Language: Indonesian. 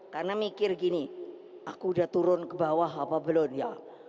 karena mikir gini aku udah turun ke bawah apa belum ya